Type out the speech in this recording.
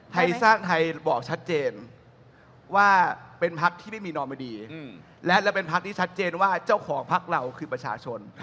ไทยสร้างไทยบอกชัดเจนว่าเป็นพักที่ไม่มีนอมดีและและเป็นพักที่ชัดเจนว่าเจ้าของพักเราคือประชาชน